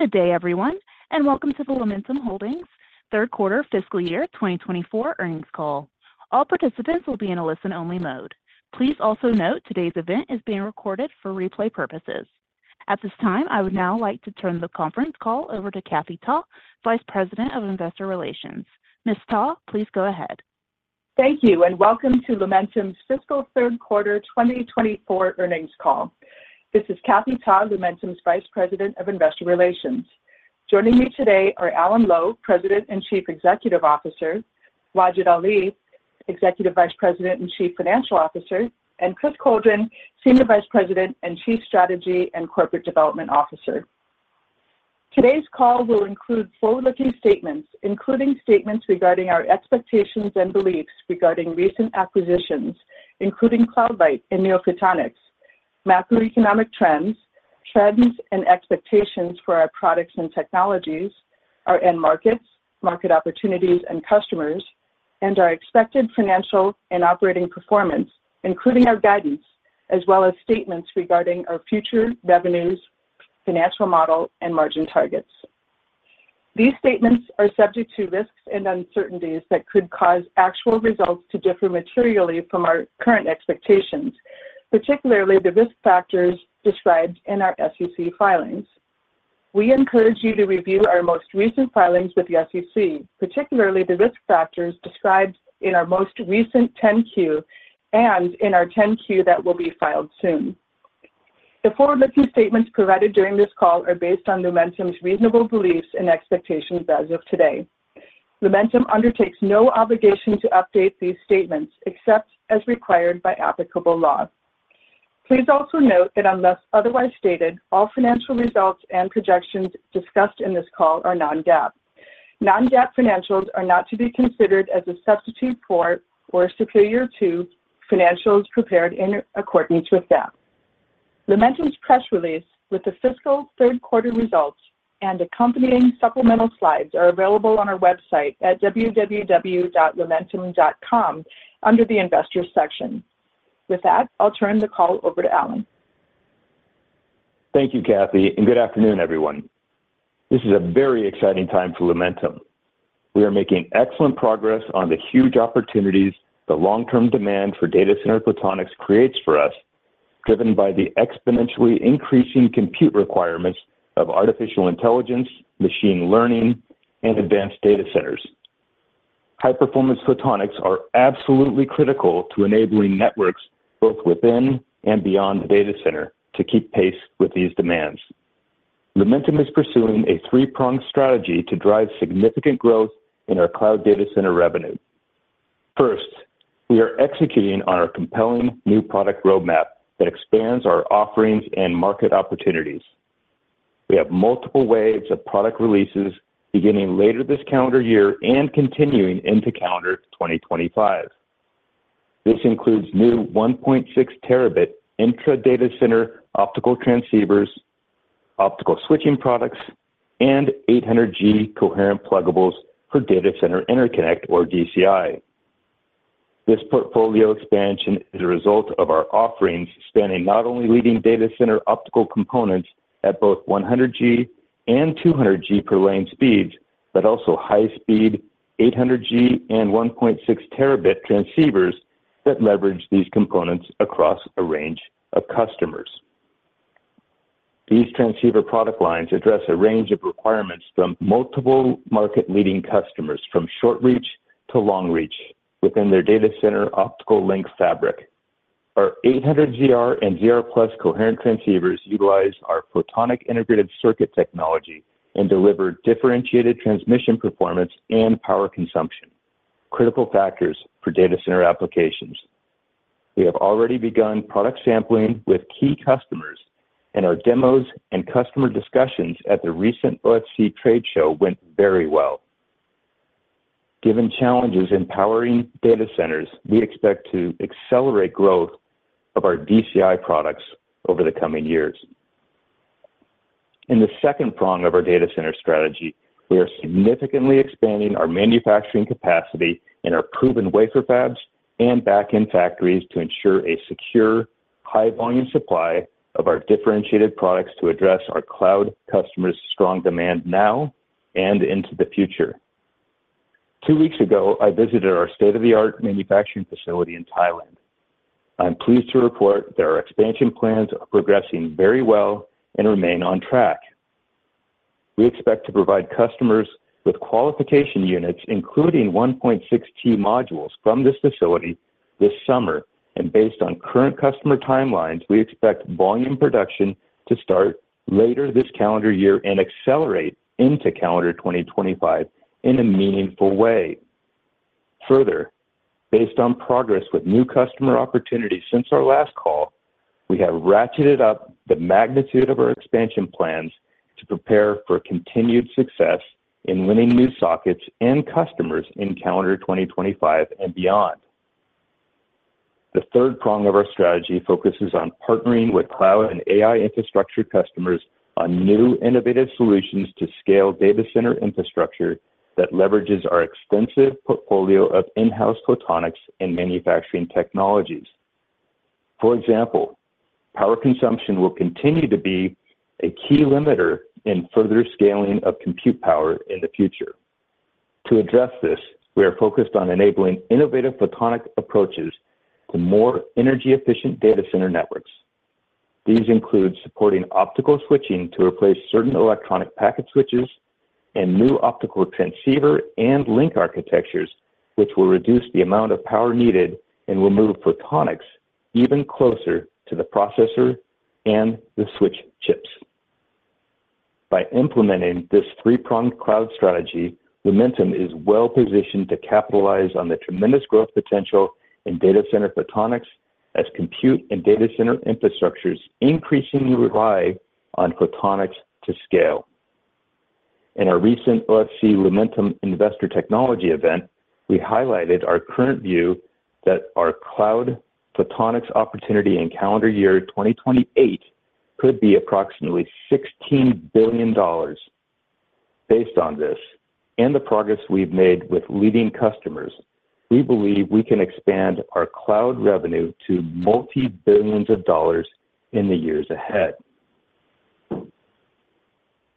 Good day, everyone, and welcome to the Lumentum Holdings Third Quarter Fiscal Year 2024 Earnings Call. All participants will be in a listen-only mode. Please also note today's event is being recorded for replay purposes. At this time, I would now like to turn the conference call over to Kathy Ta, Vice President of Investor Relations. Ms. Ta, please go ahead. Thank you, and welcome to Lumentum's fiscal third quarter 2024 earnings call. This is Kathy Ta, Lumentum's Vice President of Investor Relations. Joining me today are Alan Lowe, President and Chief Executive Officer, Wajid Ali, Executive Vice President and Chief Financial Officer, and Chris Coldren, Senior Vice President and Chief Strategy and Corporate Development Officer. Today's call will include forward-looking statements, including statements regarding our expectations and beliefs regarding recent acquisitions, including Cloud Light and NeoPhotonics, macroeconomic trends, trends and expectations for our products and technologies, our end markets, market opportunities and customers, and our expected financial and operating performance, including our guidance, as well as statements regarding our future revenues, financial model, and margin targets. These statements are subject to risks and uncertainties that could cause actual results to differ materially from our current expectations, particularly the risk factors described in our SEC filings. We encourage you to review our most recent filings with the SEC, particularly the risk factors described in our most recent 10-Q and in our 10-Q that will be filed soon. The forward-looking statements provided during this call are based on Lumentum's reasonable beliefs and expectations as of today. Lumentum undertakes no obligation to update these statements except as required by applicable law. Please also note that unless otherwise stated, all financial results and projections discussed in this call are non-GAAP. Non-GAAP financials are not to be considered as a substitute for or superior to financials prepared in accordance with GAAP. Lumentum's press release with the fiscal third quarter results and accompanying supplemental slides are available on our website at www.lumentum.com under the Investors section. With that, I'll turn the call over to Alan. Thank you, Kathy, and good afternoon, everyone. This is a very exciting time for Lumentum. We are making excellent progress on the huge opportunities the long-term demand for data center photonics creates for us, driven by the exponentially increasing compute requirements of artificial intelligence, machine learning, and advanced data centers. High-performance photonics are absolutely critical to enabling networks both within and beyond the data center to keep pace with these demands. Lumentum is pursuing a three-pronged strategy to drive significant growth in our cloud data center revenue. First, we are executing on our compelling new product roadmap that expands our offerings and market opportunities. We have multiple waves of product releases beginning later this calendar year and continuing into calendar 2025. This includes new 1.6 terabit intra-data center optical transceivers, optical switching products, and 800G coherent pluggables for data center interconnect or DCI. This portfolio expansion is a result of our offerings spanning not only leading data center optical components at both 100G and 200G per lane speeds, but also high speed 800G and 1.6 terabit transceivers that leverage these components across a range of customers. These transceiver product lines address a range of requirements from multiple market-leading customers, from short reach to long reach, within their data center optical link fabric. Our 800G ZR and ZR+ coherent transceivers utilize our photonic integrated circuit technology and deliver differentiated transmission, performance, and power consumption, critical factors for data center applications. We have already begun product sampling with key customers, and our demos and customer discussions at the recent OFC trade show went very well. Given challenges in powering data centers, we expect to accelerate growth of our DCI products over the coming years. In the second prong of our data center strategy, we are significantly expanding our manufacturing capacity in our proven wafer fabs and back-end factories to ensure a secure, high-volume supply of our differentiated products to address our cloud customers' strong demand now and into the future. Two weeks ago, I visited our state-of-the-art manufacturing facility in Thailand. I'm pleased to report that our expansion plans are progressing very well and remain on track. We expect to provide customers with qualification units, including 1.6 T modules, from this facility this summer, and based on current customer timelines, we expect volume production to start later this calendar year and accelerate into calendar 2025 in a meaningful way. Further, based on progress with new customer opportunities since our last call, we have ratcheted up the magnitude of our expansion plans to prepare for continued success in winning new sockets and customers in calendar 2025 and beyond. The third prong of our strategy focuses on partnering with cloud and AI infrastructure customers on new innovative solutions to scale data center infrastructure that leverages our extensive portfolio of in-house photonics and manufacturing technologies. For example, power consumption will continue to be a key limiter in further scaling of compute power in the future. To address this, we are focused on enabling innovative photonic approaches to more energy-efficient data center networks. These include supporting optical switching to replace certain electronic packet switches and new optical transceiver and link architectures, which will reduce the amount of power needed and will move photonics even closer to the processor and the switch chips. By implementing this three-pronged cloud strategy, Lumentum is well-positioned to capitalize on the tremendous growth potential in data center photonics as compute and data center infrastructures increasingly rely on photonics to scale. In our recent OFC Lumentum Investor Technology event, we highlighted our current view that our cloud photonics opportunity in calendar year 2028 could be approximately $16 billion. Based on this and the progress we've made with leading customers, we believe we can expand our cloud revenue to multi-billions of dollars in the years ahead.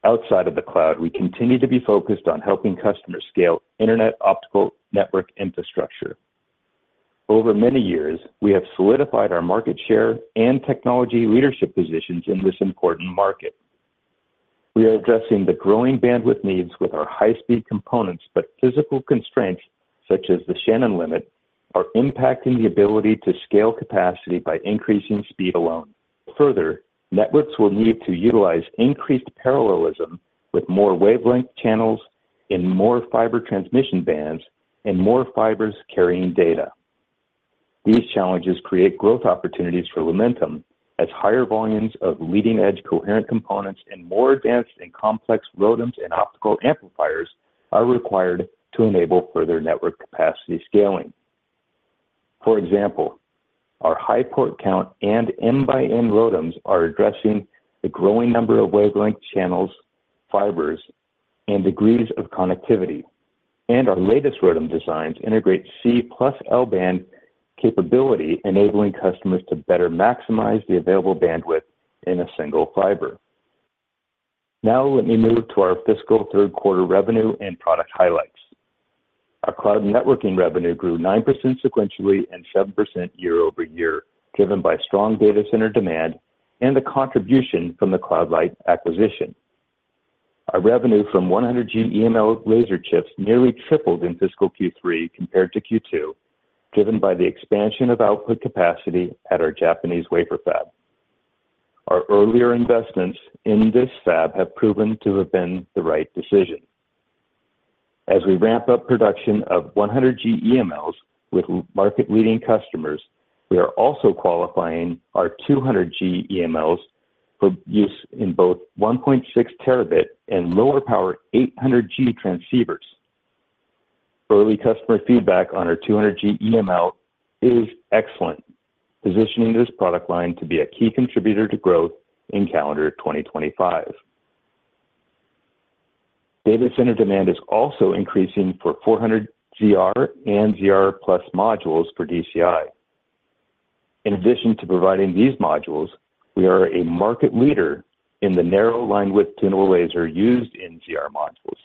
Outside of the cloud, we continue to be focused on helping customers scale internet optical network infrastructure. Over many years, we have solidified our market share and technology leadership positions in this important market. We are addressing the growing bandwidth needs with our high-speed components, but physical constraints, such as the Shannon limit, are impacting the ability to scale capacity by increasing speed alone. Further, networks will need to utilize increased parallelism with more wavelength channels and more fiber transmission bands and more fibers carrying data. These challenges create growth opportunities for Lumentum as higher volumes of leading-edge coherent components and more advanced and complex ROADMs and optical amplifiers are required to enable further network capacity scaling. For example, our high port count and M by N ROADMs are addressing the growing number of wavelength channels, fibers, and degrees of connectivity. And our latest ROADM designs integrate C + L band capability, enabling customers to better maximize the available bandwidth in a single fiber. Now let me move to our fiscal third quarter revenue and product highlights. Our cloud networking revenue grew 9% sequentially and 7% year-over-year, driven by strong data center demand and the contribution from the Cloud Light acquisition. Our revenue from 100G EML laser chips nearly tripled in fiscal Q3 compared to Q2, driven by the expansion of output capacity at our Japanese wafer fab. Our earlier investments in this fab have proven to have been the right decision. As we ramp up production of 100G EMLs with market-leading customers, we are also qualifying our 200G EMLs for use in both 1.6 terabit and lower power 800G transceivers. Early customer feedback on our 200G EML is excellent, positioning this product line to be a key contributor to growth in calendar 2025. Data center demand is also increasing for 400G ZR and ZR+ modules for DCI. In addition to providing these modules, we are a market leader in the narrow linewidth tunable laser used in ZR modules.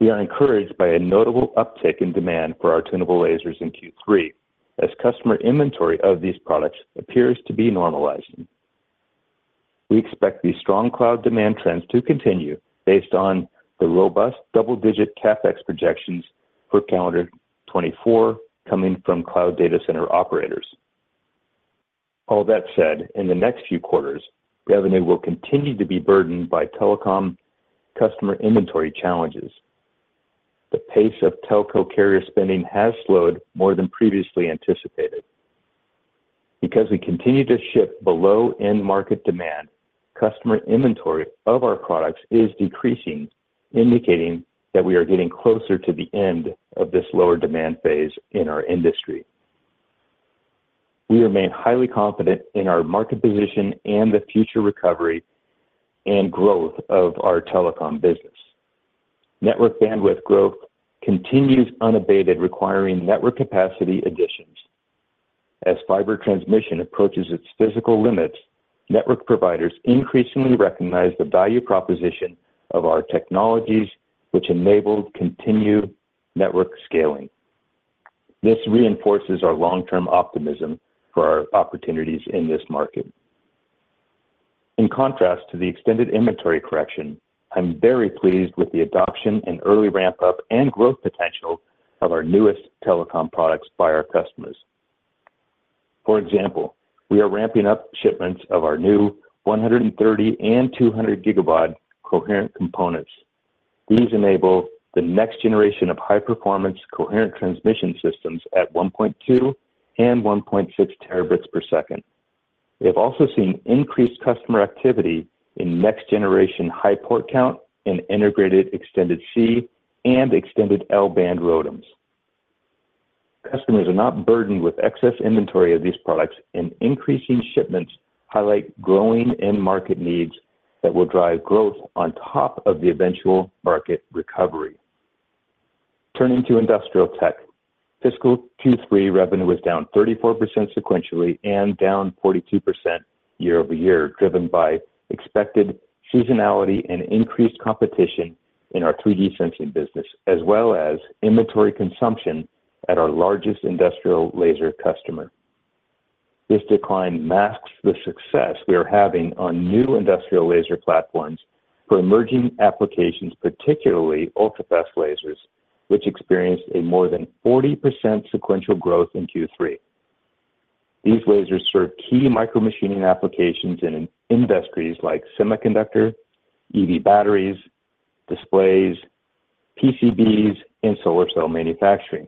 We are encouraged by a notable uptick in demand for our tunable lasers in Q3, as customer inventory of these products appears to be normalizing. We expect these strong cloud demand trends to continue based on the robust double-digit CapEx projections for calendar 2024 coming from cloud data center operators. All that said, in the next few quarters, revenue will continue to be burdened by telecom customer inventory challenges. The pace of telco carrier spending has slowed more than previously anticipated. Because we continue to ship below end market demand, customer inventory of our products is decreasing, indicating that we are getting closer to the end of this lower demand phase in our industry. We remain highly confident in our market position and the future recovery and growth of our telecom business. Network bandwidth growth continues unabated, requiring network capacity additions. As fiber transmission approaches its physical limits, network providers increasingly recognize the value proposition of our technologies, which enable continued network scaling. This reinforces our long-term optimism for our opportunities in this market. In contrast to the extended inventory correction, I'm very pleased with the adoption and early ramp-up and growth potential of our newest telecom products by our customers. For example, we are ramping up shipments of our new 130 and 200 gigabaud coherent components. These enable the next generation of high-performance coherent transmission systems at 1.2 and 1.6 terabits per second. We have also seen increased customer activity in next-generation high port count and integrated extended C and extended L band ROADMs. Customers are not burdened with excess inventory of these products, and increasing shipments highlight growing end-market needs that will drive growth on top of the eventual market recovery. Turning to industrial tech, fiscal 2023 revenue was down 34% sequentially and down 42% year-over-year, driven by expected seasonality and increased competition in our 3D sensing business, as well as inventory consumption at our largest industrial laser customer. This decline masks the success we are having on new industrial laser platforms for emerging applications, particularly ultra-fast lasers, which experienced a more than 40% sequential growth in Q3. These lasers serve key micromachining applications in industries like semiconductor, EV batteries, displays, PCBs, and solar cell manufacturing.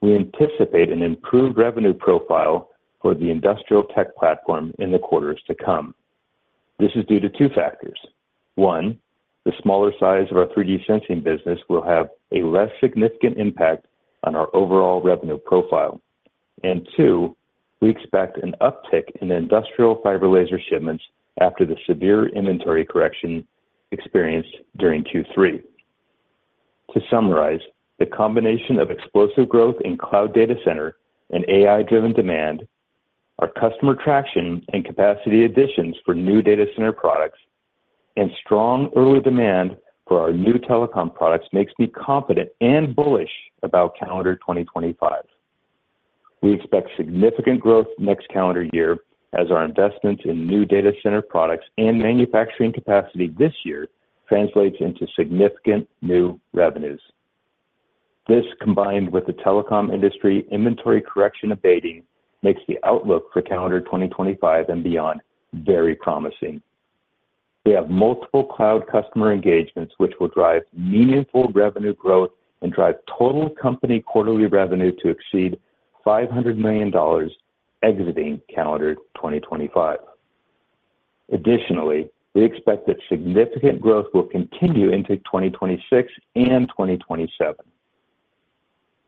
We anticipate an improved revenue profile for the industrial tech platform in the quarters to come. This is due to two factors. One, the smaller size of our 3D sensing business will have a less significant impact on our overall revenue profile. And two, we expect an uptick in industrial fiber laser shipments after the severe inventory correction experienced during Q3. To summarize, the combination of explosive growth in cloud data center and AI-driven demand, our customer traction and capacity additions for new data center products, and strong early demand for our new telecom products makes me confident and bullish about calendar 2025. We expect significant growth next calendar year as our investment in new data center products and manufacturing capacity this year translates into significant new revenues. This, combined with the telecom industry inventory correction abating, makes the outlook for calendar 2025 and beyond very promising. We have multiple cloud customer engagements, which will drive meaningful revenue growth and drive total company quarterly revenue to exceed $500 million exiting calendar 2025. Additionally, we expect that significant growth will continue into 2026 and 2027.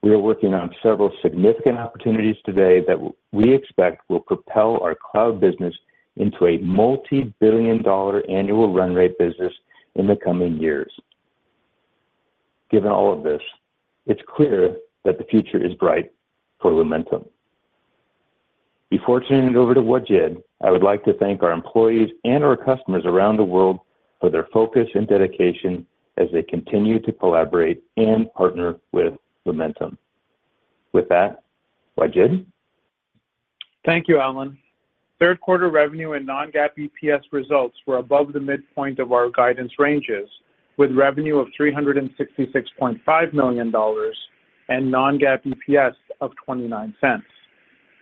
We are working on several significant opportunities today that we expect will propel our cloud business into a multi-billion dollar annual run rate business in the coming years. Given all of this, it's clear that the future is bright for Lumentum. Before turning it over to Wajid, I would like to thank our employees and our customers around the world for their focus and dedication as they continue to collaborate and partner with Lumentum. With that, Wajid? Thank you, Alan. Third quarter revenue and non-GAAP EPS results were above the midpoint of our guidance ranges, with revenue of $366.5 million and non-GAAP EPS of $0.29.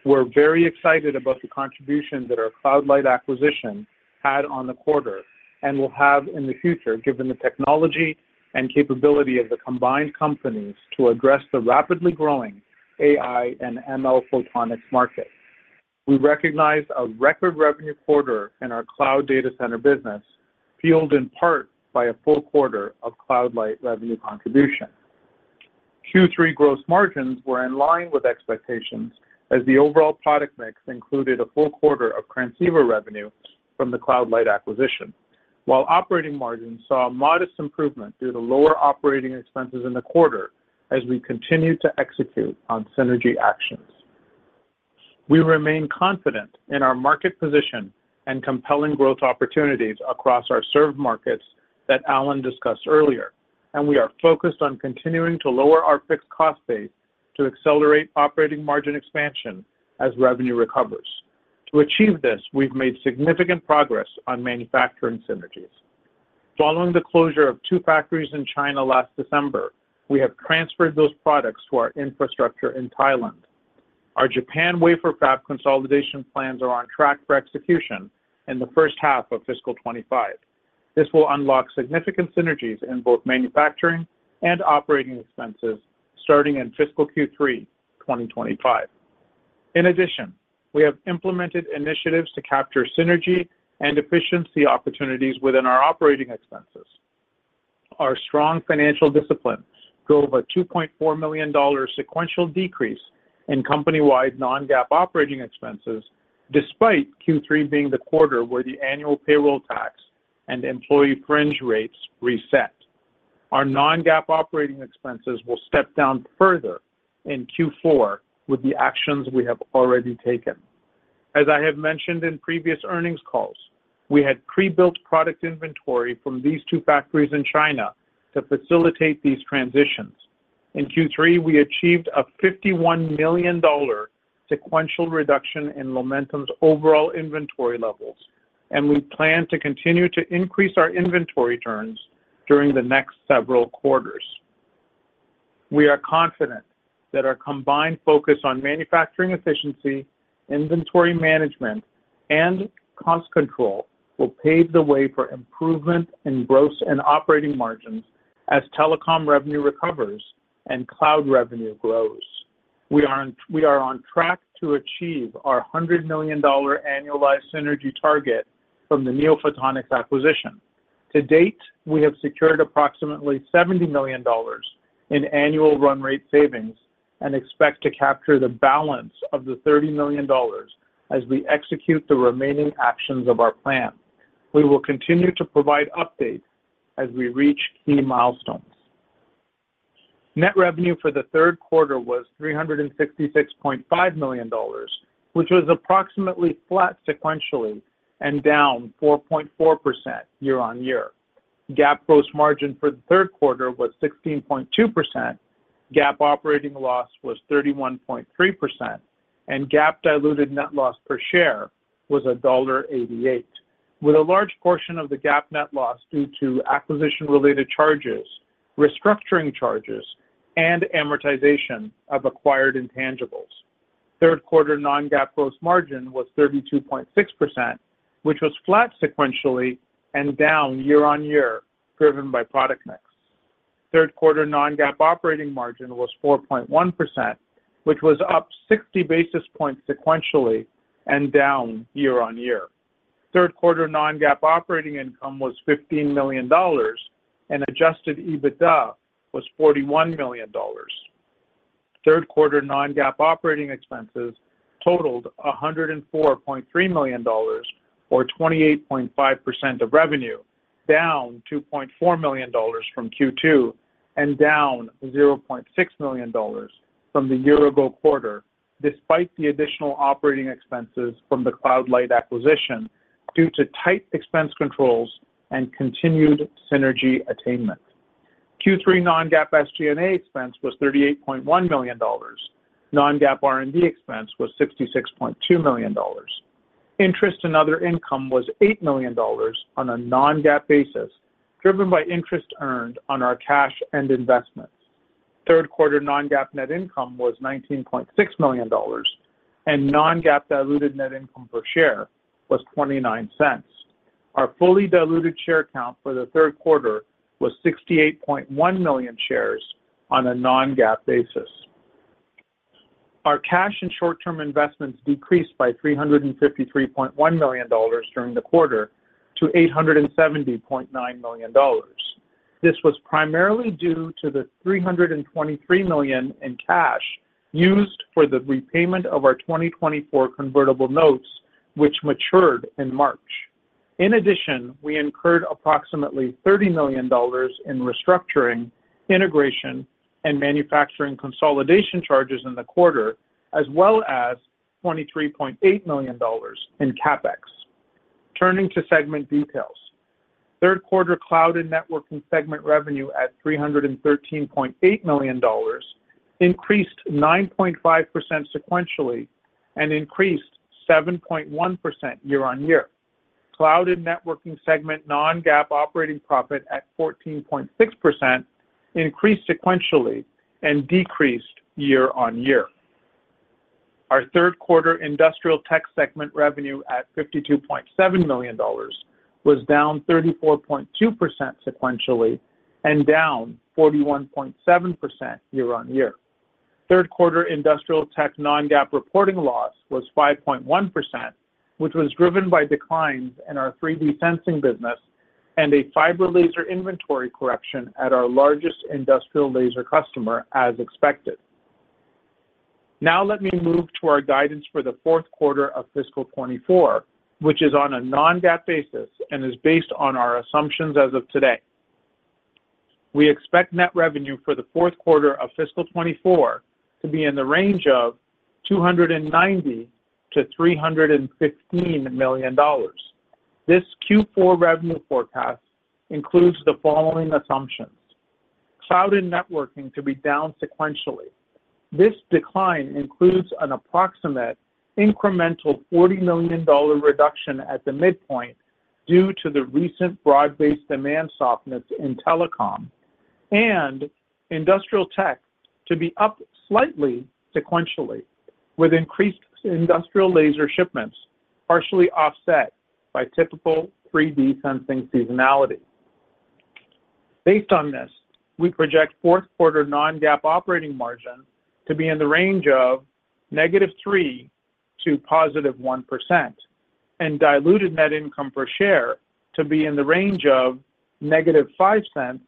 We're very excited about the contribution that our Cloud Light acquisition had on the quarter and will have in the future, given the technology and capability of the combined companies to address the rapidly growing AI and ML photonics market. We recognize a record revenue quarter in our cloud data center business, fueled in part by a full quarter of Cloud Light revenue contribution. Q3 gross margins were in line with expectations as the overall product mix included a full quarter of transceiver revenue from the Cloud Light acquisition, while operating margins saw a modest improvement due to lower operating expenses in the quarter as we continued to execute on synergy actions. We remain confident in our market position and compelling growth opportunities across our served markets that Alan discussed earlier, and we are focused on continuing to lower our fixed cost base to accelerate operating margin expansion as revenue recovers. To achieve this, we've made significant progress on manufacturing synergies. Following the closure of two factories in China last December, we have transferred those products to our infrastructure in Thailand. Our Japan wafer fab consolidation plans are on track for execution in the first half of fiscal 25. This will unlock significant synergies in both manufacturing and operating expenses starting in fiscal Q3, 2025. In addition, we have implemented initiatives to capture synergy and efficiency opportunities within our operating expenses. Our strong financial discipline drove a $2.4 million sequential decrease in company-wide non-GAAP operating expenses, despite Q3 being the quarter where the annual payroll tax and employee fringe rates reset. Our non-GAAP operating expenses will step down further in Q4 with the actions we have already taken. As I have mentioned in previous earnings calls, we had pre-built product inventory from these two factories in China to facilitate these transitions. In Q3, we achieved a $51 million sequential reduction in Lumentum's overall inventory levels, and we plan to continue to increase our inventory turns during the next several quarters. We are confident that our combined focus on manufacturing efficiency, inventory management, and cost control will pave the way for improvement in gross and operating margins as telecom revenue recovers and cloud revenue grows. We are on track to achieve our $100 million annualized synergy target from the NeoPhotonics acquisition. To date, we have secured approximately $70 million in annual run rate savings and expect to capture the balance of the $30 million as we execute the remaining actions of our plan. We will continue to provide updates as we reach key milestones. Net revenue for the third quarter was $366.5 million, which was approximately flat sequentially and down 4.4% year-on-year. GAAP gross margin for the third quarter was 16.2%. GAAP operating loss was 31.3%, and GAAP diluted net loss per share was $1.88, with a large portion of the GAAP net loss due to acquisition-related charges, restructuring charges, and amortization of acquired intangibles. Third quarter non-GAAP gross margin was 32.6%, which was flat sequentially and down year-over-year, driven by product mix. Third quarter non-GAAP operating margin was 4.1%, which was up 60 basis points sequentially and down year-over-year. Third quarter non-GAAP operating income was $15 million, and adjusted EBITDA was $41 million. Third quarter non-GAAP operating expenses totaled $104.3 million or 28.5% of revenue, down $2.4 million from Q2 and down $0.6 million from the year-ago quarter, despite the additional operating expenses from the Cloud Light acquisition due to tight expense controls and continued synergy attainment. Q3 non-GAAP SG&A expense was $38.1 million. Non-GAAP R&D expense was $66.2 million. Interest and other income was $8 million on a non-GAAP basis, driven by interest earned on our cash and investments. Third quarter non-GAAP net income was $19.6 million, and non-GAAP diluted net income per share was $0.29. Our fully diluted share count for the third quarter was 68.1 million shares on a non-GAAP basis. Our cash and short-term investments decreased by $353.1 million during the quarter to $870.9 million. This was primarily due to the $323 million in cash used for the repayment of our 2024 convertible notes, which matured in March. In addition, we incurred approximately $30 million in restructuring, integration, and manufacturing consolidation charges in the quarter, as well as $23.8 million in CapEx. Turning to segment details. Third quarter cloud and networking segment revenue at $313.8 million, increased 9.5% sequentially and increased 7.1% year-on-year. Cloud and networking segment non-GAAP operating profit at 14.6% increased sequentially and decreased year-on-year. Our third quarter industrial tech segment revenue at $52.7 million was down 34.2% sequentially and down 41.7% year-on-year. Third quarter industrial tech non-GAAP reporting loss was 5.1%, which was driven by declines in our 3D sensing business and a fiber laser inventory correction at our largest industrial laser customer, as expected. Now let me move to our guidance for the fourth quarter of fiscal 2024, which is on a non-GAAP basis and is based on our assumptions as of today. We expect net revenue for the fourth quarter of fiscal 2024 to be in the range of $290 million to $315 million. This Q4 revenue forecast includes the following assumptions: Cloud and networking to be down sequentially. This decline includes an approximate incremental $40 million reduction at the midpoint due to the recent broad-based demand softness in telecom, and industrial tech to be up slightly sequentially, with increased industrial laser shipments, partially offset by typical 3D sensing seasonality. Based on this, we project fourth quarter non-GAAP operating margin to be in the range of negative 3% to positive 1% and diluted net income per share to be in the range of negative $0.05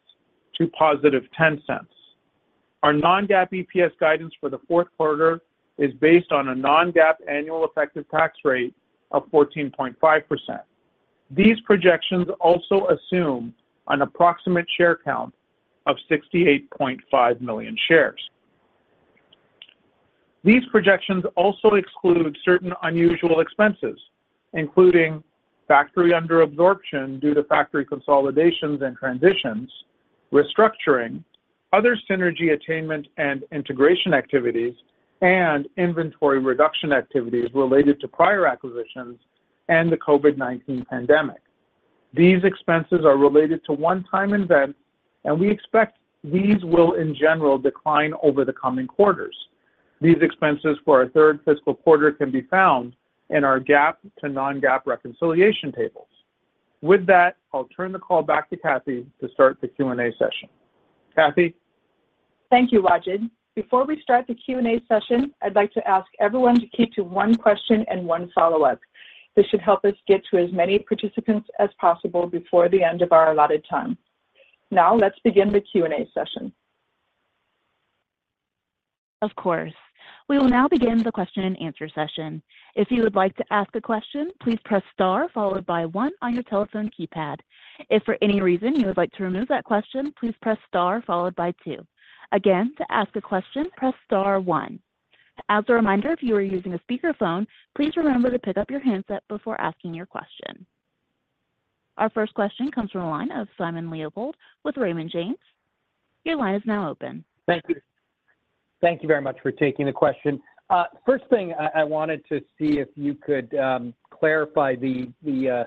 to positive $0.10. Our non-GAAP EPS guidance for the fourth quarter is based on a non-GAAP annual effective tax rate of 14.5%. These projections also assume an approximate share count of 68.5 million shares. These projections also exclude certain unusual expenses, including factory under absorption due to factory consolidations and transitions, restructuring, other synergy attainment and integration activities, and inventory reduction activities related to prior acquisitions and the COVID-19 pandemic. These expenses are related to one-time events, and we expect these will, in general, decline over the coming quarters. These expenses for our third fiscal quarter can be found in our GAAP to non-GAAP reconciliation tables. With that, I'll turn the call back to Kathy to start the Q&A session. Kathy? Thank you, Wajid. Before we start the Q&A session, I'd like to ask everyone to keep to one question and one follow-up. This should help us get to as many participants as possible before the end of our allotted time. Now, let's begin the Q&A session. Of course. We will now begin the question and answer session. If you would like to ask a question, please press star followed by one on your telephone keypad. If for any reason you would like to remove that question, please press star followed by two. Again, to ask a question, press star one. As a reminder, if you are using a speakerphone, please remember to pick up your handset before asking your question. Our first question comes from the line of Simon Leopold with Raymond James. Your line is now open. Thank you. Thank you very much for taking the question. First thing, I wanted to see if you could clarify the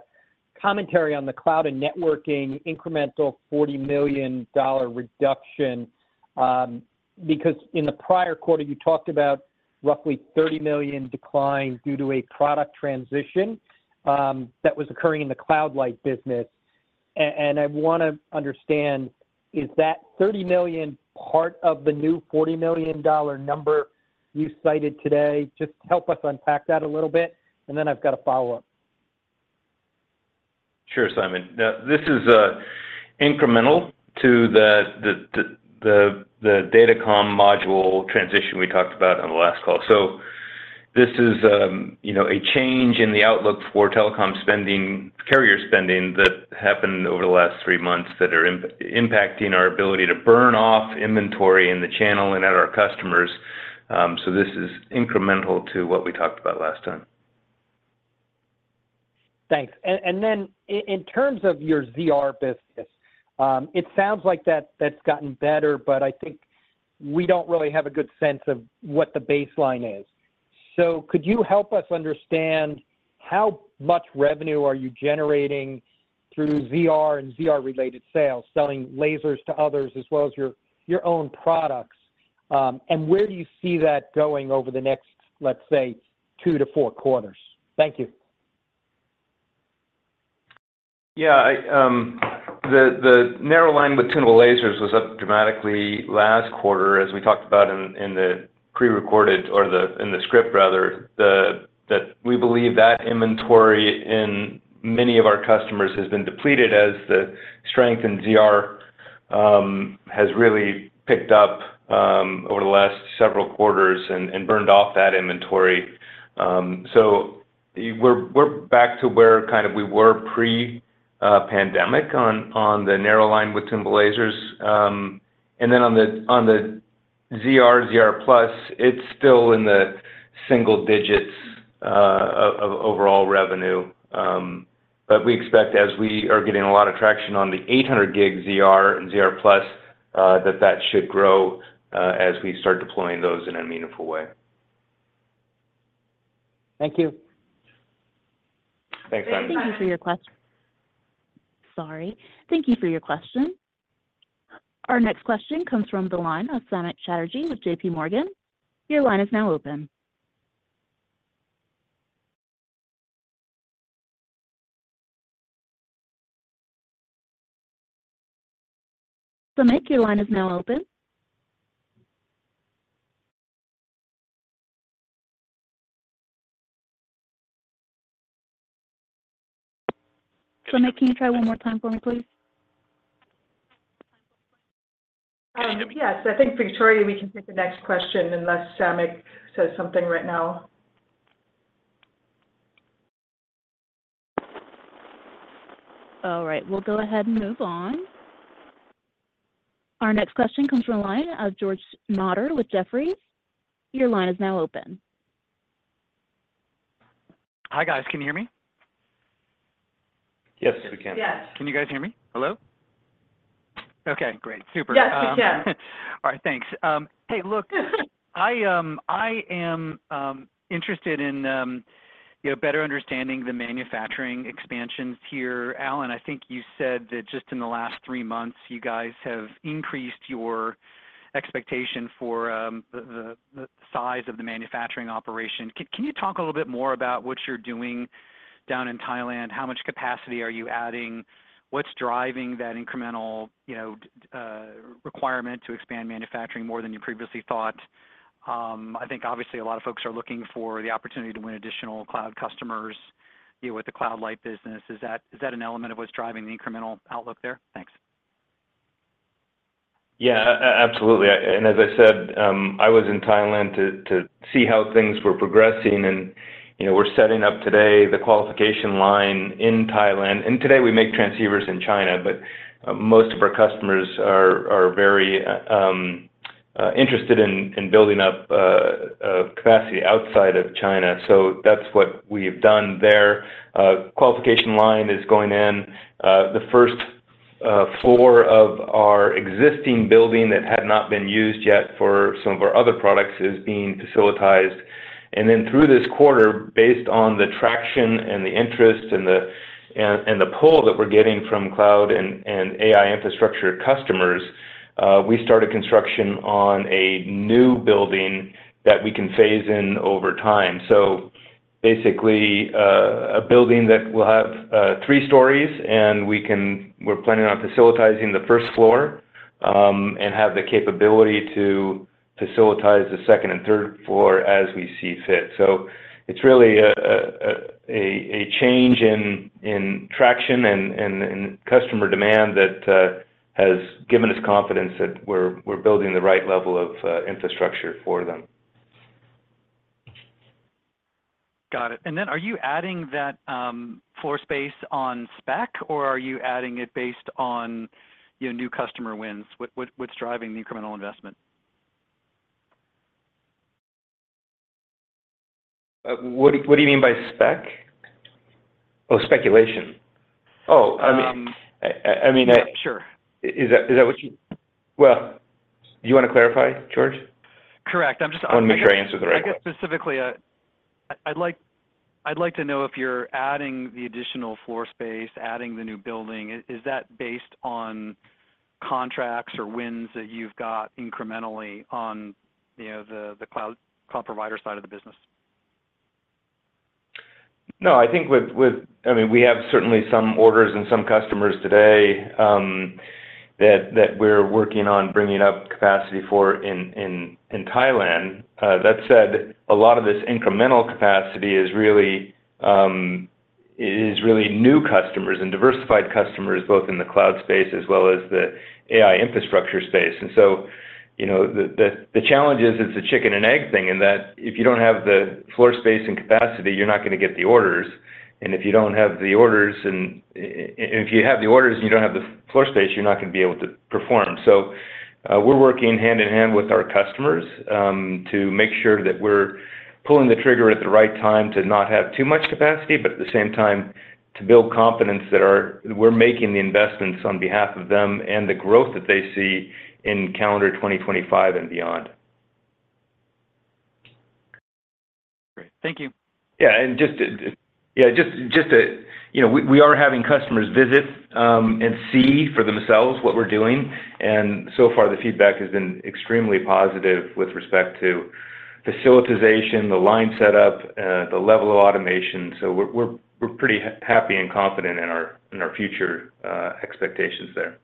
commentary on the cloud and networking incremental $40 million reduction, because in the prior quarter, you talked about roughly $30 million decline due to a product transition that was occurring in the Cloud Light business. And I want to understand, is that $30 million part of the new $40 million number you cited today? Just help us unpack that a little bit, and then I've got a follow-up. Sure, Simon. Now, this is incremental to the datacom module transition we talked about on the last call. So this is, you know, a change in the outlook for telecom spending, carrier spending, that happened over the last three months that are impacting our ability to burn off inventory in the channel and at our customers. So this is incremental to what we talked about last time. Thanks. And then in terms of your ZR business, it sounds like that's gotten better, but I think we don't really have a good sense of what the baseline is. So could you help us understand how much revenue are you generating through ZR and ZR-related sales, selling lasers to others as well as your own products? And where do you see that going over the next, let's say, two to four quarters? Thank you. Yeah, the narrow line with tunable lasers was up dramatically last quarter, as we talked about in the prerecorded or the - in the script, rather. That we believe that inventory in many of our customers has been depleted as the strength in ZR has really picked up over the last several quarters and burned off that inventory. So we're back to where kind of we were pre-pandemic on the narrow linewidth tunable lasers. And then on the ZR, ZR+, it's still in the single digits of overall revenue. But we expect as we are getting a lot of traction on the 800-gig ZR and ZR+, that that should grow as we start deploying those in a meaningful way. Thank you. Thanks, Simon. Thank you for your question. Our next question comes from the line of Samik Chatterjee with JP Morgan. Your line is now open. Samik, your line is now open. Samik, can you try one more time for me, please? Yes. I think, Victoria, we can take the next question unless Samik says something right now. All right. We'll go ahead and move on. Our next question comes from the line of George Notter with Jefferies. Your line is now open. Hi, guys. Can you hear me? Yes, we can. Yes. Can you guys hear me? Hello? Okay, great. Super. Yes, we can. All right, thanks. Hey, look, I am interested in, you know, better understanding the manufacturing expansions here. Alan, I think you said that just in the last three months, you guys have increased your expectation for the size of the manufacturing operation. Can you talk a little bit more about what you're doing down in Thailand? How much capacity are you adding? What's driving that incremental, you know, requirement to expand manufacturing more than you previously thought? I think obviously a lot of folks are looking for the opportunity to win additional cloud customers, you know, with the Cloud Light business. Is that an element of what's driving the incremental outlook there? Thanks. Yeah, absolutely. And as I said, I was in Thailand to see how things were progressing, and, you know, we're setting up today the qualification line in Thailand. And today we make transceivers in China, but most of our customers are very interested in building up capacity outside of China. So that's what we've done there. Qualification line is going in. The first floor of our existing building that had not been used yet for some of our other products is being facilitized. And then through this quarter, based on the traction and the interest and the pull that we're getting from cloud and AI infrastructure customers, we started construction on a new building that we can phase in over time. So basically, a building that will have three stories, and we're planning on facilitizing the first floor and have the capability to facilitize the second and third floor as we see fit. So it's really a change in traction and customer demand that has given us confidence that we're building the right level of infrastructure for them.... Got it. And then are you adding that floor space on spec, or are you adding it based on your new customer wins? What's driving the incremental investment? What do you mean by spec? Oh, speculation. Oh, Um- I mean, I- Sure. Is that, is that what you... Well, do you want to clarify, George? Correct. I'm just- I want to make sure I answer the right way. I guess, specifically, I'd like to know if you're adding the additional floor space, adding the new building, is that based on contracts or wins that you've got incrementally on, you know, the cloud provider side of the business? No, I think - I mean, we have certainly some orders and some customers today, that we're working on bringing up capacity for in Thailand. That said, a lot of this incremental capacity is really new customers and diversified customers, both in the cloud space as well as the AI infrastructure space. And so, you know, the challenge is it's a chicken and egg thing, in that if you don't have the floor space and capacity, you're not gonna get the orders. And if you don't have the orders and if you have the orders and you don't have the floor space, you're not gonna be able to perform. So, we're working hand-in-hand with our customers, to make sure that we're pulling the trigger at the right time to not have too much capacity, but at the same time, to build confidence that we're making the investments on behalf of them and the growth that they see in calendar 2025 and beyond. Great. Thank you. Yeah, and just to... You know, we are having customers visit and see for themselves what we're doing, and so far the feedback has been extremely positive with respect to facilitization, the line setup, the level of automation. So we're pretty happy and confident in our future expectations there.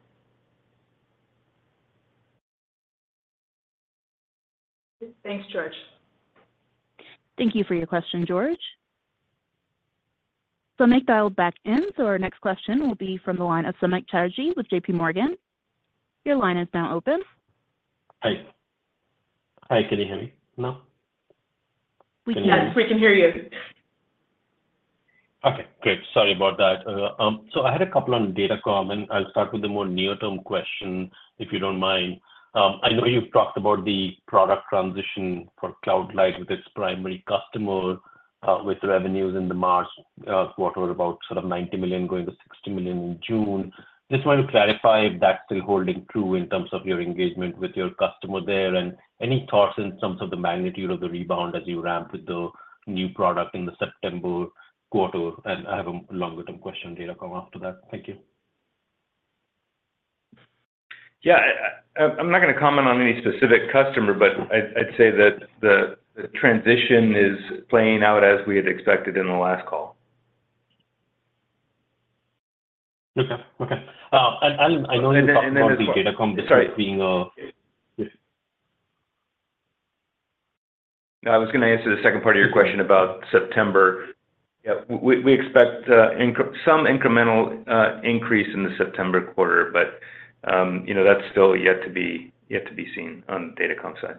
Thanks, George. Thank you for your question, George. Samik dialed back in, so our next question will be from the line of Samik Chatterjee with JP Morgan. Your line is now open. Hi. Hi, can you hear me now? We can, yes, we can hear you. Okay, great. Sorry about that. So I had a couple on Datacom, and I'll start with the more near-term question, if you don't mind. I know you've talked about the product transition for Cloud Light with its primary customer, with revenues in the March quarter, about $90 million, going to $60 million in June. Just want to clarify if that's still holding true in terms of your engagement with your customer there, and any thoughts in terms of the magnitude of the rebound as you ramp with the new product in the September quarter? And I have a longer term question, Datacom, after that. Thank you. Yeah. I'm not gonna comment on any specific customer, but I'd say that the transition is playing out as we had expected in the last call. Okay. Okay. And I know you talked about the Datacom- Sorry. -being a- No, I was gonna answer the second part of your question about September. Yeah, we, we expect some incremental increase in the September quarter, but, you know, that's still yet to be, yet to be seen on the Datacom side.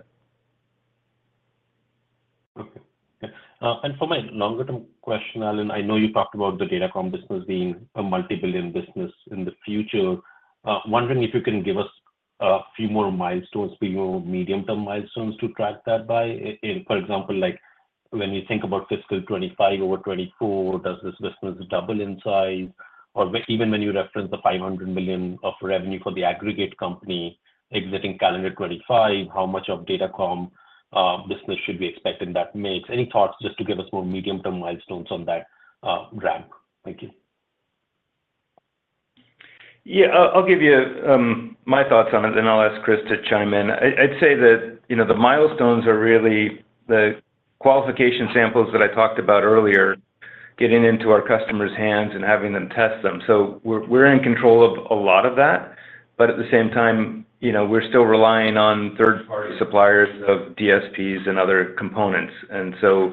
Okay. And for my longer-term question, Alan, I know you talked about the Datacom business being a multi-billion business in the future. Wondering if you can give us a few more milestones for your medium-term milestones to track that by. For example, like, when you think about fiscal 2025 over 2024, does this business double in size? Or even when you reference the $500 million of revenue for the aggregate company exiting calendar 2025, how much of Datacom business should we expect in that mix? Any thoughts, just to give us more medium-term milestones on that ramp. Thank you. Yeah, I'll give you my thoughts on it, then I'll ask Chris to chime in. I'd say that, you know, the milestones are really the qualification samples that I talked about earlier, getting into our customers' hands and having them test them. So we're in control of a lot of that, but at the same time, you know, we're still relying on third-party suppliers of DSPs and other components. And so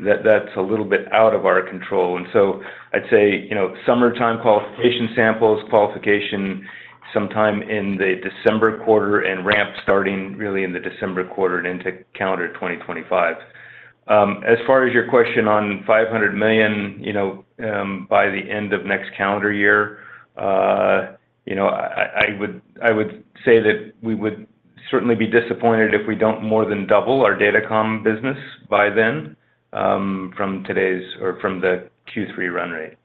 that's a little bit out of our control. And so I'd say, you know, summertime qualification samples, qualification sometime in the December quarter, and ramp starting really in the December quarter and into calendar 2025. As far as your question on $500 million, you know, by the end of next calendar year, you know, I would say that we would certainly be disappointed if we don't more than double our Datacom business by then, from today's or from the Q3 run rate.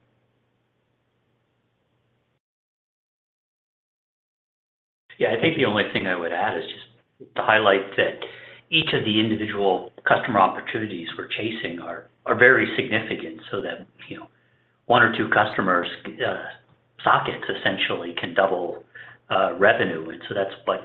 Yeah, I think the only thing I would add is just to highlight that each of the individual customer opportunities we're chasing are very significant, so that, you know, one or two customers, sockets essentially can double revenue. And so that's like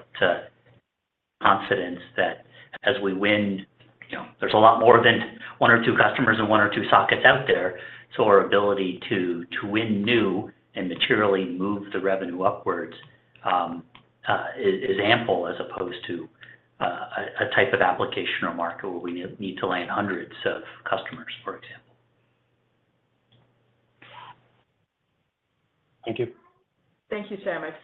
confidence that as we win, you know, there's a lot more than one or two customers and one or two sockets out there. So our ability to win new and materially move the revenue upwards is ample, as opposed to a type of application or market where we need to land hundreds of customers, for example.... Thank you. Thank you, Samik.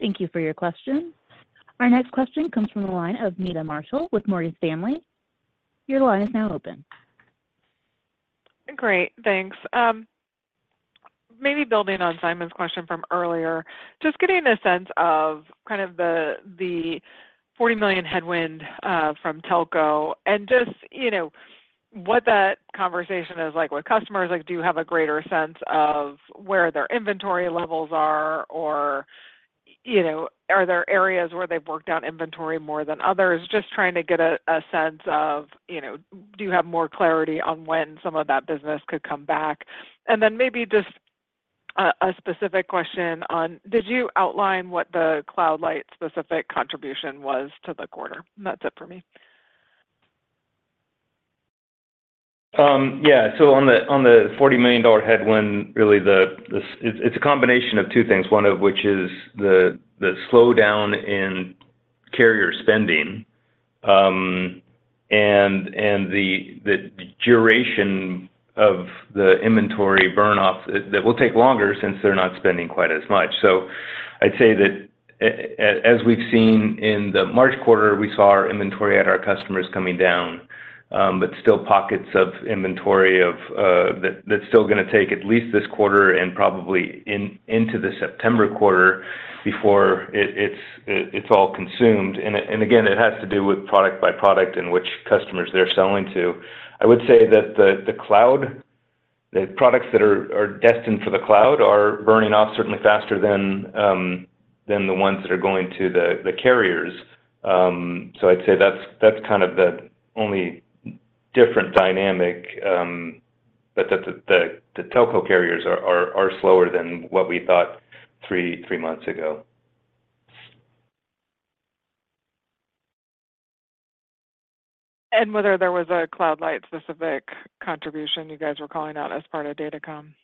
Thank you for your question. Our next question comes from the line of Meta Marshall with Morgan Stanley. Your line is now open. Great, thanks. Maybe building on Simon's question from earlier, just getting a sense of kind of the $40 million headwind from telco, and just, you know, what that conversation is like with customers. Like, do you have a greater sense of where their inventory levels are? Or, you know, are there areas where they've worked out inventory more than others? Just trying to get a sense of, you know, do you have more clarity on when some of that business could come back? And then maybe just a specific question on did you outline what the Cloud Light specific contribution was to the quarter? And that's it for me. Yeah. So on the $40 million headwind, really, this is a combination of two things, one of which is the slowdown in carrier spending, and the duration of the inventory burn off that will take longer since they're not spending quite as much. So I'd say that as we've seen in the March quarter, we saw our inventory at our customers coming down, but still pockets of inventory that's still gonna take at least this quarter and probably into the September quarter before it's all consumed. And again, it has to do with product by product and which customers they're selling to. I would say that the cloud products that are destined for the cloud are burning off certainly faster than the ones that are going to the carriers. So I'd say that's kind of the only different dynamic that the telco carriers are slower than what we thought three months ago. Whether there was a Cloud Light specific contribution you guys were calling out as part of Datacom?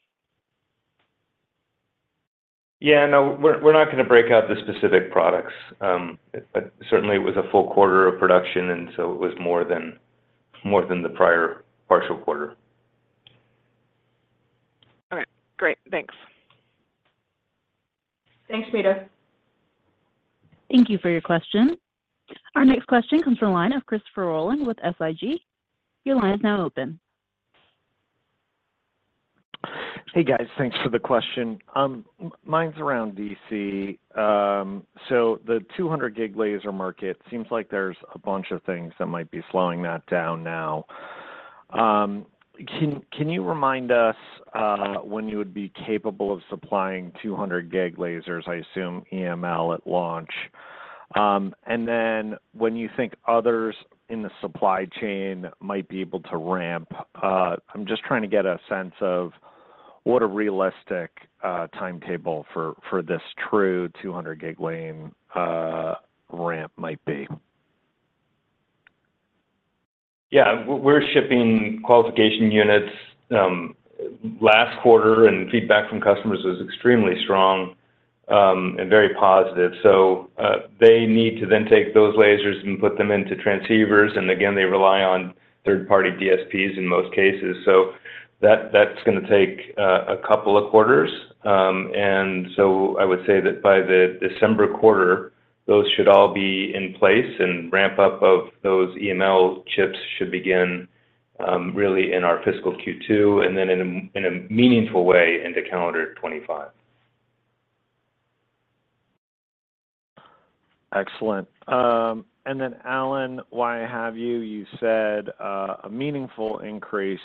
Yeah, no, we're not going to break out the specific products, but certainly it was a full quarter of production, and so it was more than the prior partial quarter. All right. Great. Thanks. Thanks, Meta. Thank you for your question. Our next question comes from the line of Christopher Rolland with SIG. Your line is now open. Hey, guys. Thanks for the question. Mine's around D.C. So the 200-gig laser market seems like there's a bunch of things that might be slowing that down now. Can you remind us when you would be capable of supplying 200-gig lasers? I assume EML at launch. And then when you think others in the supply chain might be able to ramp? I'm just trying to get a sense of what a realistic timetable for this true 200-gig lane ramp might be. Yeah. We're shipping qualification units last quarter, and feedback from customers was extremely strong, and very positive. So, they need to then take those lasers and put them into transceivers, and again, they rely on third-party DSPs in most cases. So that, that's gonna take a couple of quarters. And so I would say that by the December quarter, those should all be in place and ramp up of those EML chips should begin, really in our fiscal Q2, and then in a meaningful way, into calendar 2025. Excellent. And then, Alan, why have you, you said a meaningful increase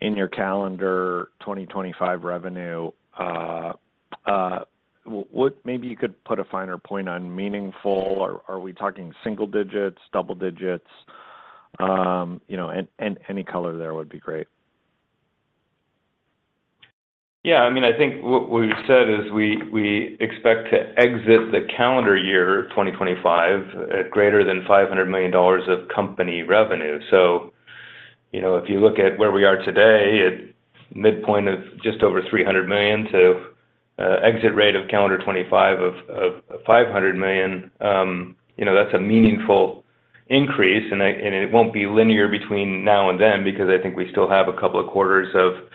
in your calendar 2025 revenue. What, maybe you could put a finer point on meaningful. Are we talking single digits, double digits? You know, any color there would be great. Yeah, I mean, I think what we've said is we, we expect to exit the calendar year 2025 at greater than $500 million of company revenue. So, you know, if you look at where we are today, at midpoint of just over $300 million to exit rate of calendar 2025 of $500 million, you know, that's a meaningful increase. And it won't be linear between now and then, because I think we still have a couple of quarters of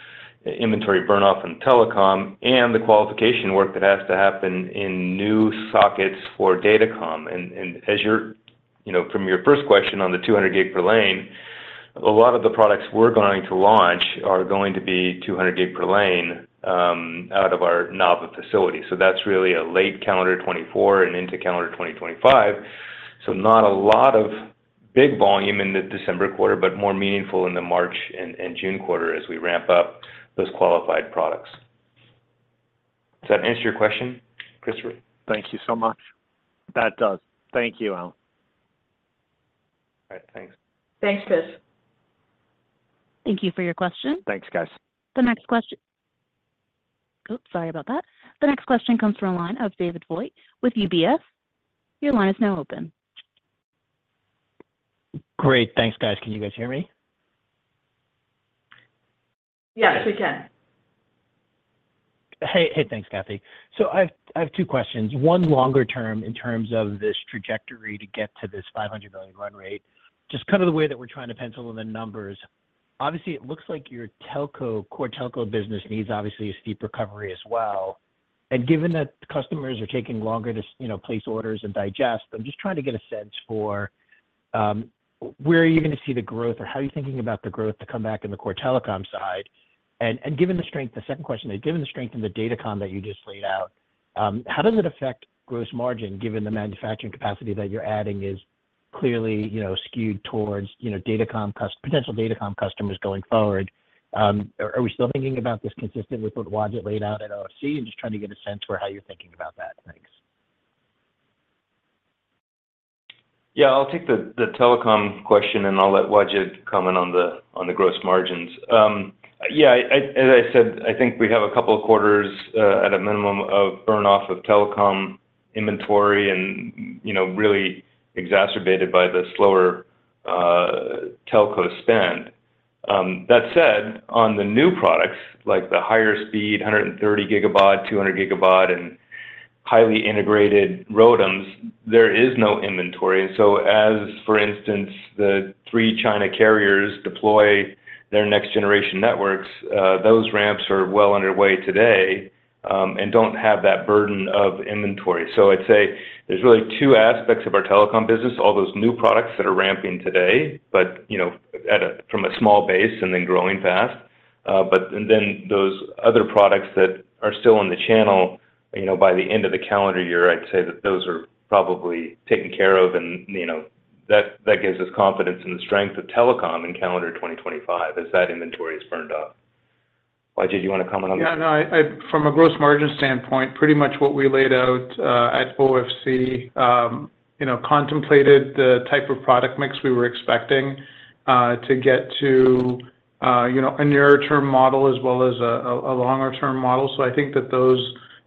inventory burn off in telecom and the qualification work that has to happen in new sockets for Datacom. And, and as you're... You know, from your first question on the 200-gig per lane, a lot of the products we're going to launch are going to be 200-gig per lane, out of our Napa facility. So that's really a late calendar 2024 and into calendar 2025. So not a lot of big volume in the December quarter, but more meaningful in the March and June quarter as we ramp up those qualified products. Does that answer your question, Christopher? Thank you so much. That does. Thank you, Alan. All right, thanks. Thanks, Chris. Thank you for your question. Thanks, guys. The next question... Oops, sorry about that. The next question comes from a line of David Vogt with UBS. Your line is now open. Great. Thanks, guys. Can you guys hear me? Yes, we can. Hey, hey, thanks, Kathy. So I have two questions. One longer term in terms of this trajectory to get to this $500 million run rate. Just kind of the way that we're trying to pencil in the numbers,... obviously, it looks like your telco - core telco business needs obviously a steep recovery as well. And given that customers are taking longer to you know, place orders and digest, I'm just trying to get a sense for, where are you going to see the growth, or how are you thinking about the growth to come back in the core telecom side? And given the strength the second question is, given the strength in the datacom that you just laid out, how does it affect gross margin, given the manufacturing capacity that you're adding is clearly, you know, skewed towards, you know, datacom potential datacom customers going forward? Are we still thinking about this consistent with what Wajid laid out at OFC? I'm just trying to get a sense for how you're thinking about that. Thanks. Yeah, I'll take the telecom question, and I'll let Wajid comment on the gross margins. Yeah, as I said, I think we have a couple of quarters at a minimum of burn-off of telecom inventory and, you know, really exacerbated by the slower telco spend. That said, on the new products, like the higher speed 130 gigabaud, 200 gigabaud, and highly integrated ROADMs, there is no inventory. So as, for instance, the three China carriers deploy their next-generation networks, those ramps are well underway today, and don't have that burden of inventory. So I'd say there's really two aspects of our telecom business, all those new products that are ramping today, but, you know, from a small base and then growing fast. And then those other products that are still on the channel, you know, by the end of the calendar year, I'd say that those are probably taken care of and, you know, that, that gives us confidence in the strength of telecom in calendar 2025 as that inventory is burned off. Wajid, do you want to comment on that? Yeah, no, from a gross margin standpoint, pretty much what we laid out at OFC, you know, contemplated the type of product mix we were expecting to get to, you know, a nearer-term model as well as a longer-term model. So I think that those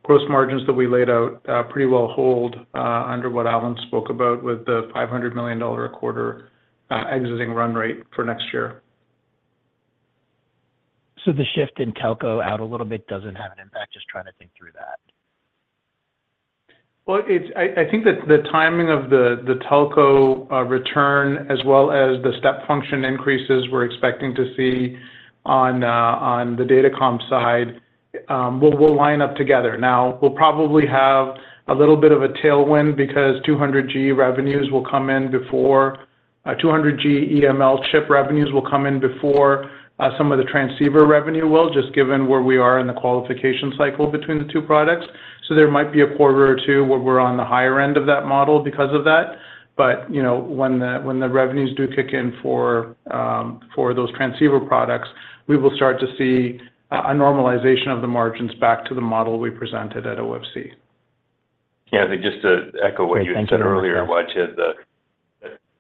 gross margins that we laid out pretty well hold under what Alan spoke about with the $500 million a quarter exiting run rate for next year. The shift in telco out a little bit doesn't have an impact? Just trying to think through that. Well, I think that the timing of the telco return, as well as the step function increases we're expecting to see on the datacom side, will line up together. Now, we'll probably have a little bit of a tailwind because 200G EML chip revenues will come in before some of the transceiver revenue, just given where we are in the qualification cycle between the two products. So there might be a quarter or 2 where we're on the higher end of that model because of that. But, you know, when the revenues do kick in for those transceiver products, we will start to see a normalization of the margins back to the model we presented at OFC. Yeah, I think just to echo what you said earlier, Wajid,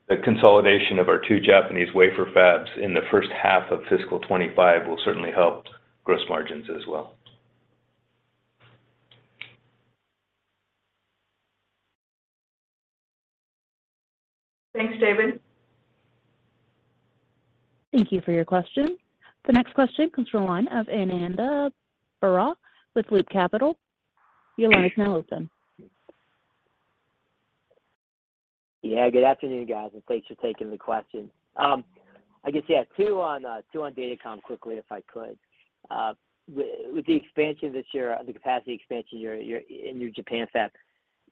the consolidation of our two Japanese wafer fabs in the first half of fiscal 2025 will certainly help gross margins as well. Thanks, David. Thank you for your question. The next question comes from the line of Ananda Baruah with Loop Capital. Your line is now open. Yeah, good afternoon, guys, and thanks for taking the question. I guess, yeah, two on datacom quickly, if I could. With the expansion this year, the capacity expansion in your Japan fab,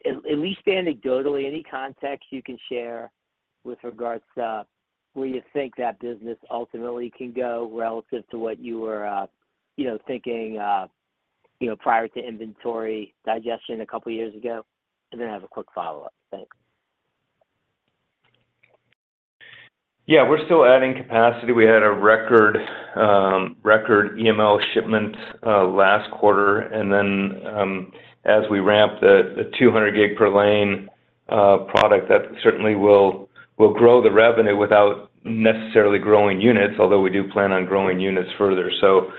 at least anecdotally, any context you can share with regards to where you think that business ultimately can go relative to what you were, you know, thinking, you know, prior to inventory digestion a couple of years ago? And then I have a quick follow-up. Thanks. Yeah, we're still adding capacity. We had a record, record EML shipment, last quarter, and then, as we ramp the, the 200-gig per lane, product, that certainly will, will grow the revenue without necessarily growing units, although we do plan on growing units further. So,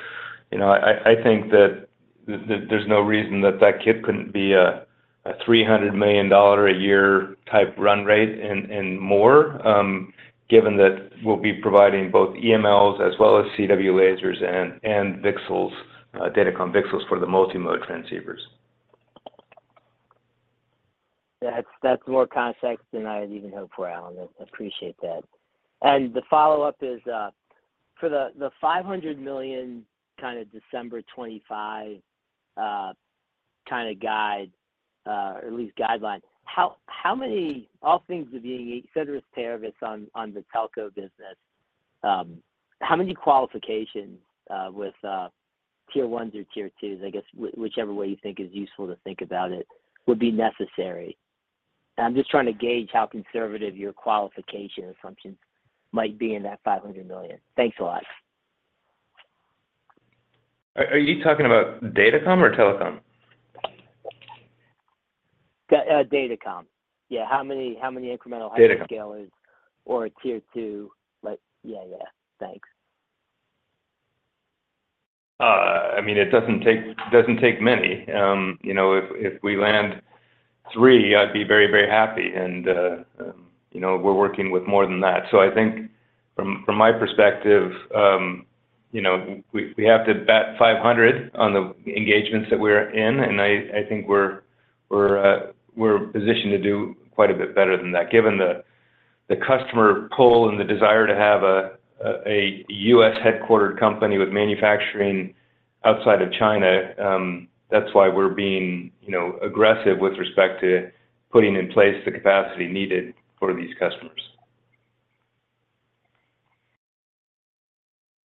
you know, I, I think that there's no reason that that kit couldn't be a, a $300 million a year type run rate and, and more, given that we'll be providing both EMLs as well as CW lasers and, and VCSELs, datacom VCSELs for the multimode transceivers. That's, that's more context than I had even hoped for, Alan. I appreciate that. And the follow-up is, for the $500 million kind of December 2025 guide, or at least guideline, how many... all things being on the telco business, how many qualifications with tier ones or tier twos, I guess whichever way you think is useful to think about it, would be necessary? I'm just trying to gauge how conservative your qualification assumptions might be in that $500 million. Thanks a lot. Are you talking about datacom or telecom? Datacom. Yeah, how many, how many incremental- Datacom... hyperscalers or tier two, like, yeah, yeah. Thanks. I mean, it doesn't take many. You know, if we land three, I'd be very, very happy and, you know, we're working with more than that. So I think from my perspective, you know, we have to bet $500 on the engagements that we're in, and I think we're positioned to do quite a bit better than that. Given the customer pull and the desire to have a U.S.-headquartered company with manufacturing outside of China, that's why we're being, you know, aggressive with respect to putting in place the capacity needed for these customers.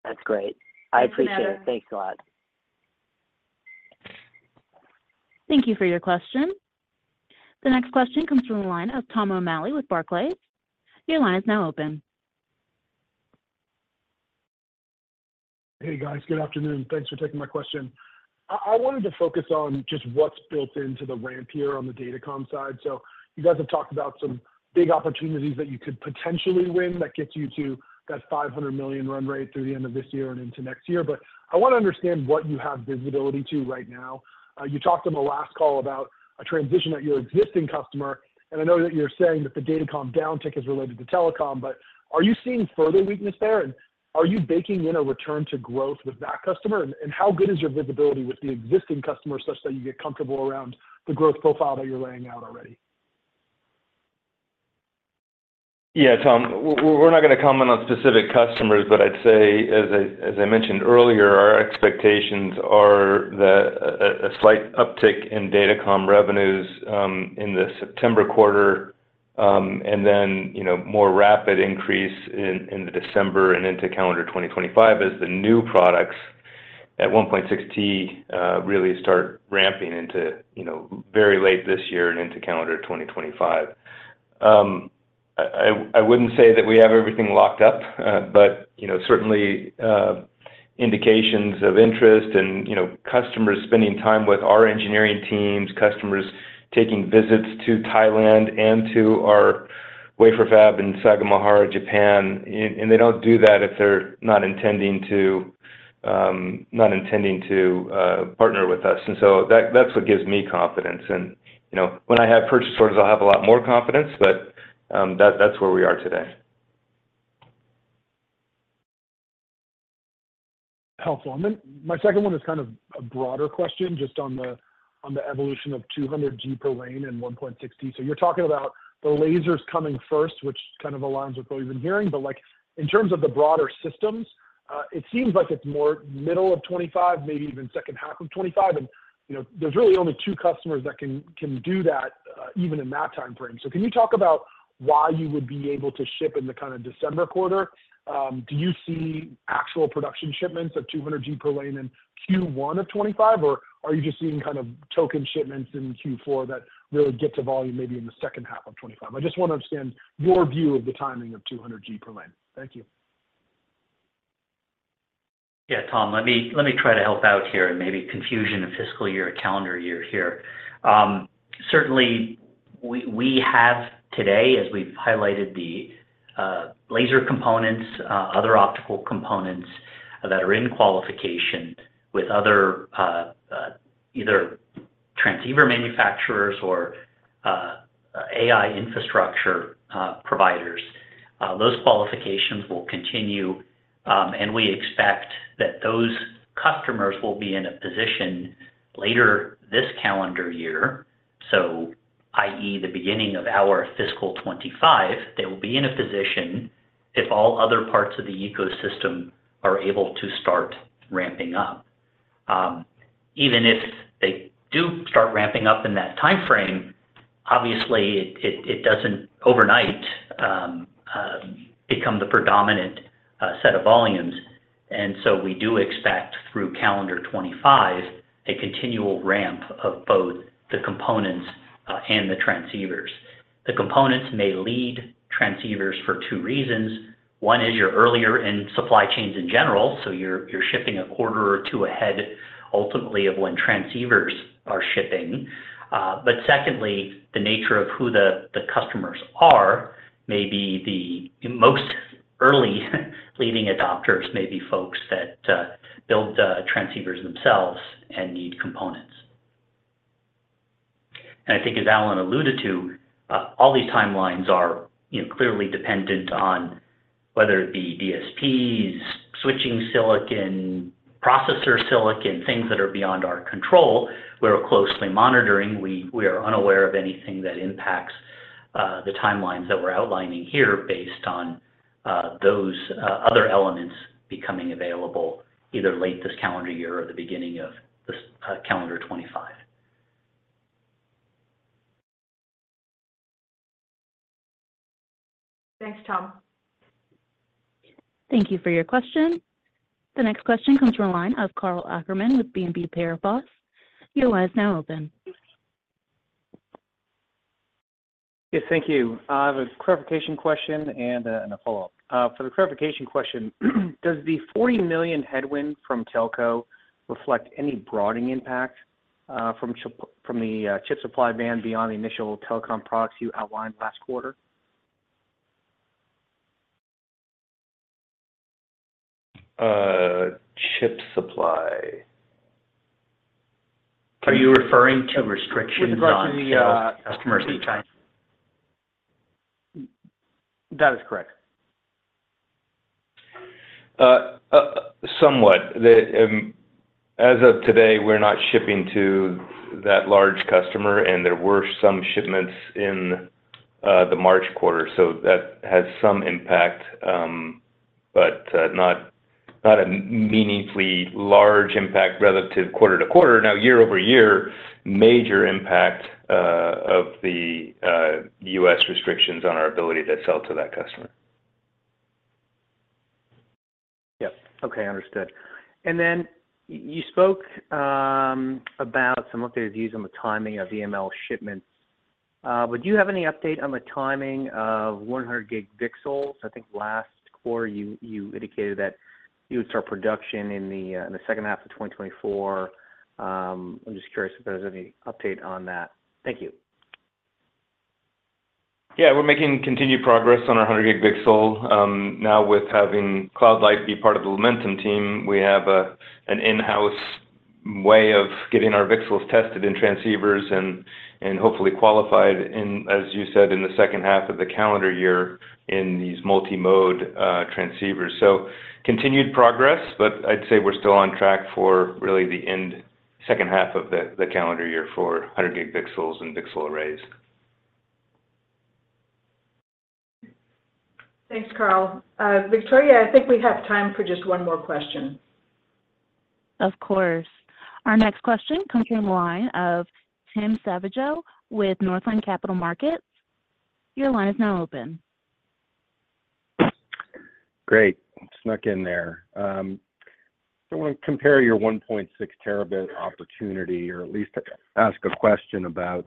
That's great. I appreciate it. Thanks, Alan. Thank you for your question. The next question comes from the line of Tom O'Malley with Barclays. Your line is now open. Hey, guys. Good afternoon. Thanks for taking my question. I wanted to focus on just what's built into the ramp here on the datacom side. So you guys have talked about some big opportunities that you could potentially win that gets you to that $500 million run rate through the end of this year and into next year, but I wanna understand what you have visibility to right now. You talked on the last call about a transition at your existing customer, and I know that you're saying that the datacom downtick is related to telecom, but are you seeing further weakness there? And are you baking in a return to growth with that customer? And how good is your visibility with the existing customer such that you get comfortable around the growth profile that you're laying out already? Yeah, Tom, we're not gonna comment on specific customers, but I'd say, as I mentioned earlier, our expectations are that a slight uptick in datacom revenues in the September quarter, and then, you know, more rapid increase in the December and into calendar 2025, as the new products at 1.6T really start ramping into, you know, very late this year and into calendar 2025. I wouldn't say that we have everything locked up, but, you know, certainly indications of interest and, you know, customers spending time with our engineering teams, customers taking visits to Thailand and to our wafer fab in Sagamihara, Japan. And they don't do that if they're not intending to partner with us. And so that's what gives me confidence. You know, when I have purchase orders, I'll have a lot more confidence, but that, that's where we are today. Helpful. Then my second one is kind of a broader question, just on the evolution of 200G per lane and 1.6T. So you're talking about the lasers coming first, which kind of aligns with what we've been hearing, but, like, in terms of the broader systems, it seems like it's more middle of 2025, maybe even second half of 2025. And, you know, there's really only two customers that can do that, even in that timeframe. So can you talk about why you would be able to ship in the kind of December quarter? Do you see actual production shipments of 200G per lane in Q1 of 2025, or are you just seeing kind of token shipments in Q4 that really get to volume maybe in the second half of 2025? I just wanna understand your view of the timing of 200G per lane. Thank you. Yeah, Tom, let me try to help out here, and maybe confusion of fiscal year or calendar year here. Certainly, we have today, as we've highlighted, the laser components, other optical components that are in qualification with other either transceiver manufacturers or AI infrastructure providers. Those qualifications will continue, and we expect that those customers will be in a position later this calendar year, so i.e., the beginning of our fiscal 2025, they will be in a position if all other parts of the ecosystem are able to start ramping up. Even if they do start ramping up in that timeframe, obviously, it doesn't overnight become the predominant set of volumes, and so we do expect through calendar 2025, a continual ramp of both the components and the transceivers. The components may lead transceivers for two reasons. One is you're earlier in supply chains in general, so you're shipping a quarter or two ahead, ultimately, of when transceivers are shipping. Secondly, the nature of who the customers are may be the most early leading adopters, may be folks that build transceivers themselves and need components. I think as Alan alluded to, all these timelines are, you know, clearly dependent on whether it be DSPs, switching silicon, processor silicon, things that are beyond our control. We're closely monitoring. We are unaware of anything that impacts the timelines that we're outlining here based on those other elements becoming available either late this calendar year or the beginning of this calendar 2025. Thanks, Tom. Thank you for your question. The next question comes from the line of Karl Ackerman with BNP Paribas. Your line is now open. Yes, thank you. I have a clarification question and a, and a follow-up. For the clarification question, does the $40 million headwind from telco reflect any broadening impact from the chip supply ban beyond the initial telecom products you outlined last quarter? Chip supply. Are you referring to restrictions on- With regards to the,... customers in China?... That is correct. Somewhat. As of today, we're not shipping to that large customer, and there were some shipments in the March quarter, so that had some impact, but not, not a meaningfully large impact relative quarter-over-quarter. Now, year-over-year, major impact of the U.S. restrictions on our ability to sell to that customer. Yep. Okay, understood. And then you spoke about some updated views on the timing of EML shipments. Would you have any update on the timing of 100-gig VCSELs? I think last quarter, you indicated that you would start production in the second half of 2024. I'm just curious if there's any update on that. Thank you. Yeah, we're making continued progress on our 100-gig VCSEL. Now, with having Cloud Light be part of the Lumentum team, we have an in-house way of getting our VCSELs tested in transceivers and hopefully qualified in, as you said, in the second half of the calendar year in these multi-mode transceivers. So continued progress, but I'd say we're still on track for really the second half of the calendar year for 100-gig VCSELs and VCSEL arrays. Thanks, Karl. Victoria, I think we have time for just one more question. Of course. Our next question comes from the line of Tim Savageaux with Northland Capital Markets. Your line is now open. Great. Snuck in there. So I wanna compare your 1.6 terabit opportunity, or at least ask a question about...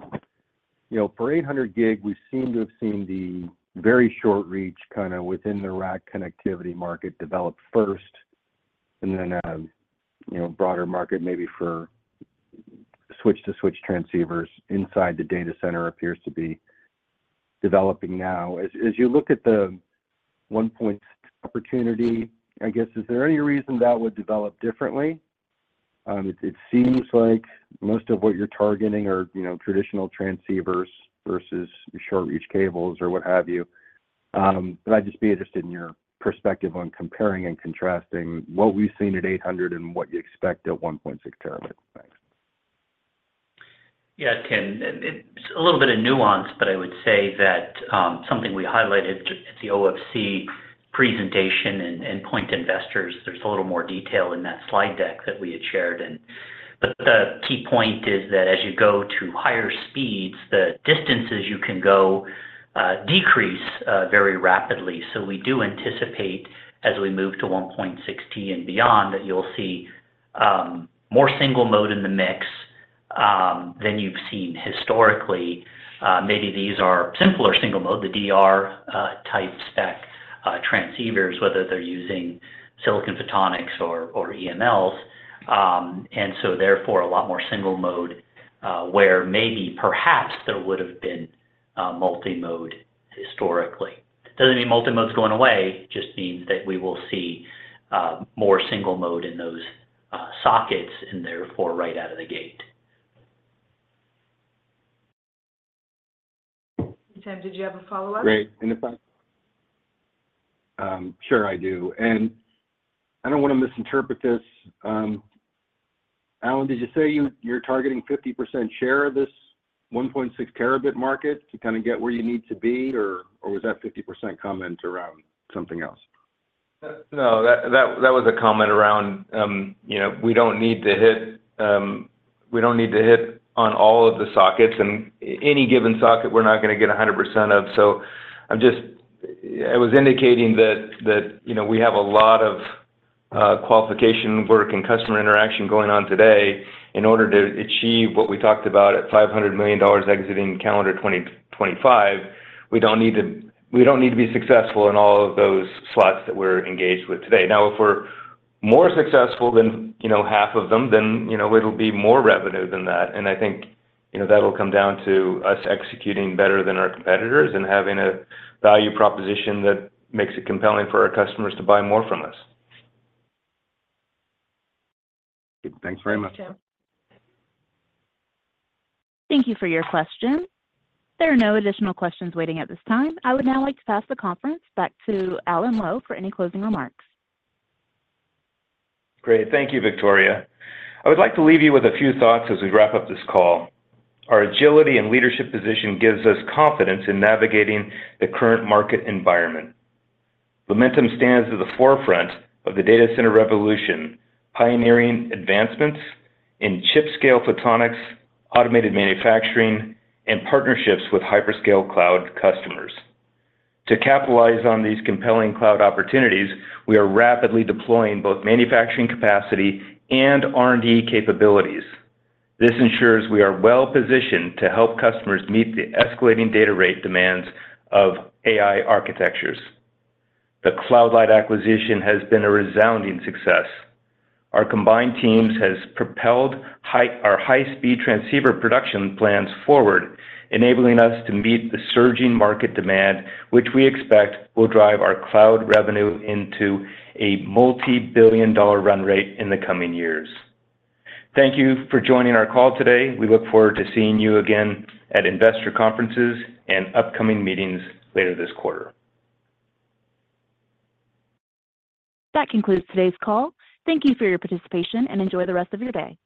You know, for 800 gig, we seem to have seen the very short reach, kind of within the rack connectivity market, develop first, and then, you know, broader market, maybe for switch-to-switch transceivers inside the data center appears to be developing now. As you look at the 1.6 opportunity, I guess, is there any reason that would develop differently? It seems like most of what you're targeting are, you know, traditional transceivers versus short-reach cables or what have you. But I'd just be interested in your perspective on comparing and contrasting what we've seen at 800 and what you expect at 1.6 terabit. Thanks. Yeah, Tim, it's a little bit of nuance, but I would say that, something we highlighted at the OFC presentation and point to investors, there's a little more detail in that slide deck that we had shared. But the key point is that as you go to higher speeds, the distances you can go decrease very rapidly. So we do anticipate, as we move to 1.6 and beyond, that you'll see more single mode in the mix than you've seen historically. Maybe these are simpler single mode, the DR type spec transceivers, whether they're using silicon photonics or EMLs. And so therefore, a lot more single mode where maybe perhaps there would've been multi-mode historically. Doesn't mean multi-mode's going away, just means that we will see more single mode in those sockets, and therefore, right out of the gate. Tim, did you have a follow-up? Great. And if I— sure, I do. And I don't wanna misinterpret this, Alan, did you say you're targeting 50% share of this 1.6 terabit market to kind of get where you need to be, or, or was that 50% comment around something else? No, that, that, that was a comment around, you know, we don't need to hit -- we don't need to hit on all of the sockets, and any given socket, we're not gonna get 100% of. So I'm just... I was indicating that, that, you know, we have a lot of qualification work and customer interaction going on today in order to achieve what we talked about at $500 million exiting calendar 2025. We don't need to, we don't need to be successful in all of those slots that we're engaged with today. Now, if we're more successful than, you know, half of them, then, you know, it'll be more revenue than that. I think, you know, that'll come down to us executing better than our competitors and having a value proposition that makes it compelling for our customers to buy more from us. Thanks very much. Thanks, Tim. Thank you for your question. There are no additional questions waiting at this time. I would now like to pass the conference back to Alan Lowe for any closing remarks. Great. Thank you, Victoria. I would like to leave you with a few thoughts as we wrap up this call. Our agility and leadership position gives us confidence in navigating the current market environment. Lumentum stands at the forefront of the data center revolution, pioneering advancements in chip-scale photonics, automated manufacturing, and partnerships with hyperscale cloud customers. To capitalize on these compelling cloud opportunities, we are rapidly deploying both manufacturing capacity and R&D capabilities. This ensures we are well-positioned to help customers meet the escalating data rate demands of AI architectures. The Cloud Light acquisition has been a resounding success. Our combined teams has propelled our high-speed transceiver production plans forward, enabling us to meet the surging market demand, which we expect will drive our cloud revenue into a multi-billion dollar run rate in the coming years. Thank you for joining our call today. We look forward to seeing you again at investor conferences and upcoming meetings later this quarter. That concludes today's call. Thank you for your participation, and enjoy the rest of your day.